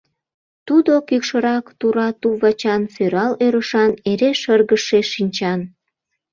Тудо кӱкшырак тура туп-вачан, сӧрал ӧрышан, эре шыргыжше шинчан.